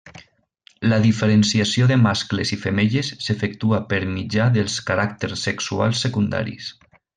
La diferenciació de mascles i femelles s'efectua per mitjà dels caràcters sexuals secundaris.